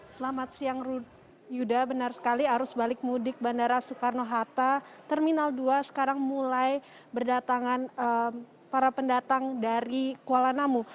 selamat siang yuda benar sekali arus balik mudik bandara soekarno hatta terminal dua sekarang mulai berdatangan para pendatang dari kuala namu